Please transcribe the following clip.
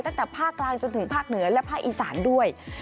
ตั้งแต่ภาคกลางจนถึงภาคเหนือและภาคอีสานด้วย